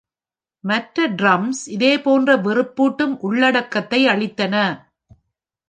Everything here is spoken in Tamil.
மற்ற டிரம்ஸ் இதேபோன்ற வெறுப்பூட்டும் உள்ளடக்கத்தை அளித்தன.